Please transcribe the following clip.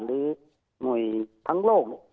หรือมุยทั้งโลก